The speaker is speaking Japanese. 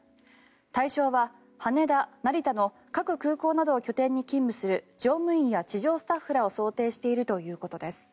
対象は羽田、成田の各空港などを拠点に勤務する乗務員や地上スタッフらを想定しているということです。